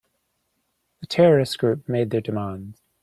The terrorist group made their demand.